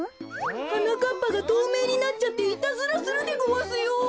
はなかっぱがとうめいになっちゃっていたずらするでごわすよ。